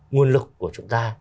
nguồn lực của chúng ta